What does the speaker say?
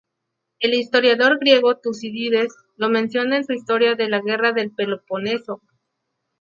El historiador griego Tucídides lo menciona en su Historia de la Guerra del Peloponeso.